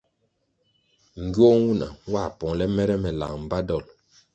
Ngywuoh nwuna nwā pongʼle mere me lang mbpa dolʼ.